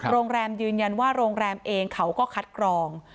โรงแรมยืนยันว่าโรงแรมเองเขาก็คัดกรอง